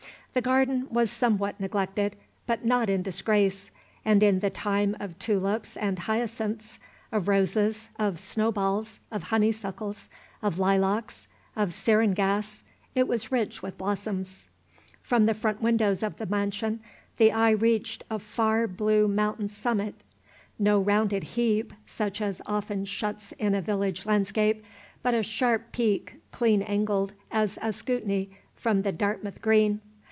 The garden was somewhat neglected, but not in disgrace, and in the time of tulips and hyacinths, of roses, of "snowballs," of honeysuckles, of lilacs, of syringas, it was rich with blossoms. From the front windows of the mansion the eye reached a far blue mountain summit, no rounded heap, such as often shuts in a village landscape, but a sharp peak, clean angled as Ascutney from the Dartmouth green.